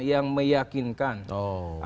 yang meyakinkan oh